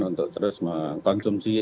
untuk terus mengkonsumsi